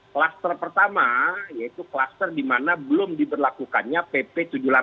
kluster pertama yaitu kluster di mana belum diberlakukannya pp tujuh puluh delapan